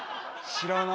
知らない。